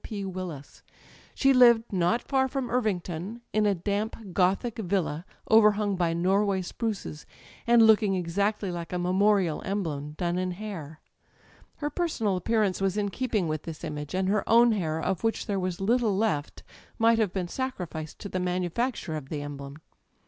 P. Willis. She [ 249 ] Digitized by LjOOQ IC THE EYES lived, not far from Irvington, in a damp Grothic villa, overhung by Norway spruces, and looking exactly like a memorial emblem done in hair. Her personal appear ance was in keeping with this image, and her own hair â€" of which there was little left â€" might have been sacri ficed to the manufacture of the emblem.